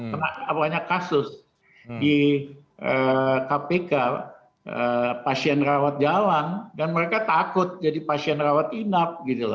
karena banyak kasus di kpk pasien rawat jalan dan mereka takut jadi pasien rawat inap